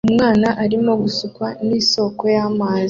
Umwana arimo gusukwa nisoko y'amazi